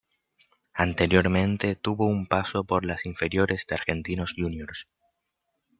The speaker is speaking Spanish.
Anteriormente tuvo un paso por las inferiores de Argentinos Juniors.